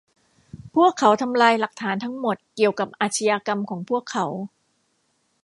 พวกเขาทำลายหลักฐานทั้งหมดเกี่ยวกับอาชญากรรมของพวกเขา